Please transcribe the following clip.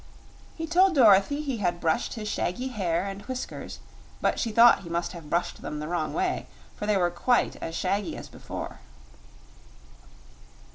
He told Dorothy he had brushed his shaggy hair and whiskers; but she thought he must have brushed them the wrong way, for they were quite as shaggy as before.